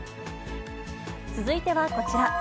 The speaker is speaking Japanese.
続いてはこちら。